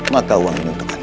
maka uang ini untuk anda